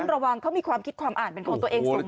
ต้องระวังเขามีความคิดความอ่านเป็นคนตัวเองส่งมาก